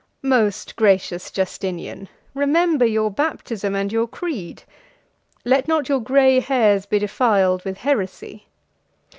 "Most gracious Justinian, remember your baptism and your creed. Let not your gray hairs be defiled with heresy.